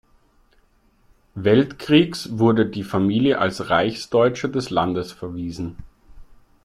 Weltkriegs wurde die Familie als Reichsdeutsche des Landes verwiesen.